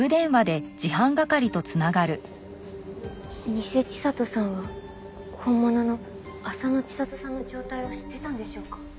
ニセ知里さんは本物の浅野知里さんの状態を知ってたんでしょうか？